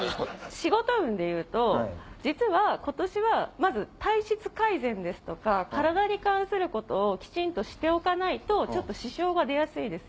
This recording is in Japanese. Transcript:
仕事運でいうと今年は体質改善とか体に関することをきちんとしておかないとちょっと支障が出やすいです。